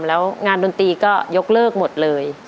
แล้วงานดนตรีก็ยกเลิกหมดเลย